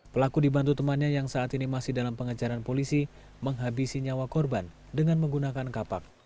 pelaku dibantu temannya yang saat ini masih dalam pengejaran polisi menghabisi nyawa korban dengan menggunakan kapak